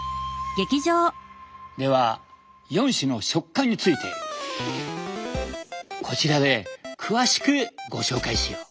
では４種の食感についてこちらで詳しくご紹介しよう。